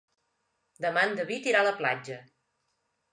Demà en David irà a la platja.